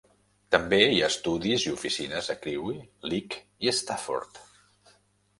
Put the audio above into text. També hi ha estudis i oficines a Crewe, Leek i Stafford.